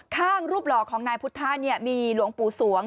ข้างรูปหลอกของนายพุทธะเนี่ยมีหลวงปู่สวง